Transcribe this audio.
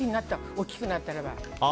大きくなったらば。